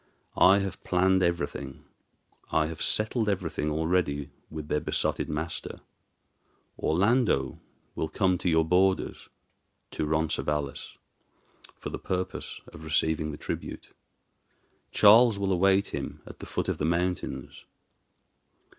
I have planned everything, I have settled everything already with their besotted master. Orlando will come to your borders to Roncesvalles for the purpose of receiving the tribute. Charles will await him at the foot of the mountains.